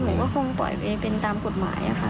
หนูก็คงปล่อยตัวเองเป็นตามกฎหมายค่ะ